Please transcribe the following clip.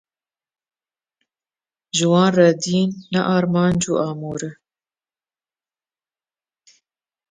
Ji wan re dîn ne armanc e, amûr e.